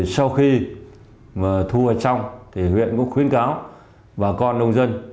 sau khi thu hoạch xong thì huyện cũng khuyến cáo bà con nông dân